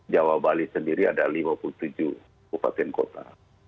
jawa bali sendiri ada lima puluh tujuh kabupaten kota